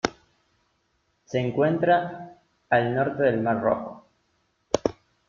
Se encuentra al norte del Mar Rojo.